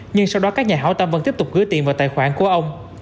nhưng sau đó các nhà hảo tâm vẫn tiếp tục gửi tiền vào tài khoản của ông